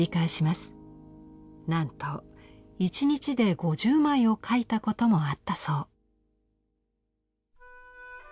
なんと１日で５０枚を描いたこともあったそう。